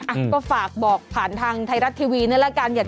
อ่ะก็ฝากบอกผ่านทางไทยรัฐทีวีนี่แหละกัน